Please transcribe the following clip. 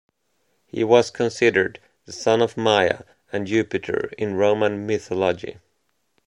He was considered the son of Maia and Jupiter in Roman mythology.